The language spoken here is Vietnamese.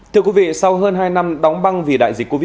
thưa quý vị sau hơn hai năm đóng băng vì đại dịch covid một mươi chín